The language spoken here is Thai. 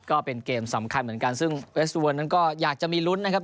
ก็เป็นเกมสำคัญเหมือนกันซึ่งเวสวันนั้นก็อยากจะมีลุ้นนะครับ